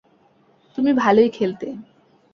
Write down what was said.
তুমি ভালোই খেলতে।